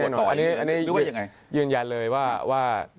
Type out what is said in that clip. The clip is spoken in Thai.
อันนี้ยืนยันเลยว่า